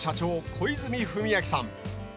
小泉文明さん。